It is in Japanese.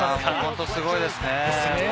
本当にすごいですね。